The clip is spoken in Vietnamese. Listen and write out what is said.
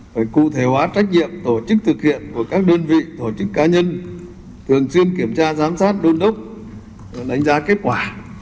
phải cụ thể hóa trách nhiệm tổ chức thực hiện của các đơn vị tổ chức cá nhân thường xuyên kiểm tra giám sát đôn đốc đánh giá kết quả